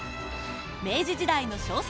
明治時代の小説